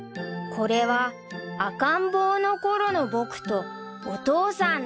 ［これは赤ん坊のころの僕とお父さんのお話］